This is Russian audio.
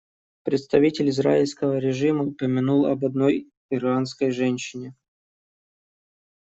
Представитель израильского режима упомянул об одной иранской женщине.